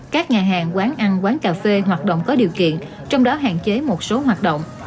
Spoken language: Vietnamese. các nhà hàng quán ăn quán cà phê hoạt động có điều kiện trong đó hạn chế một số hoạt động